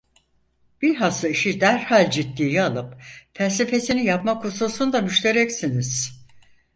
Bilhassa işi derhal ciddiye alıp felsefesini yapmak hususunda müştereksiniz…